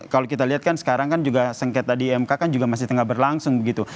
kalau kita lihat kan sekarang kan juga sengketa di mk kan juga masih tengah berlangsung begitu